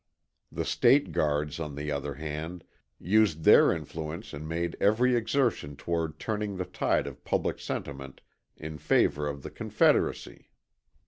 The State Guards, on the other hand, used their influence and made every exertion toward turning the tide of public sentiment in favor of the Confederacy.